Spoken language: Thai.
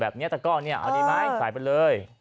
แบบนี้ตะกร้อเอาดีไหมใส่ไปเลย